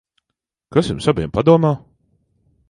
Kas jums abiem padomā?